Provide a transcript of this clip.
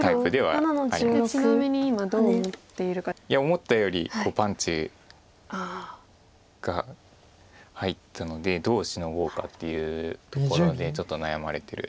思ったよりパンチが入ったのでどうシノごうかっていうところでちょっと悩まれてる。